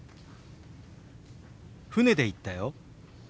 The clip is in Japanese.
船で行ったよ。